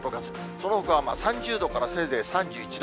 そのほかは３０度からせいぜい３１度。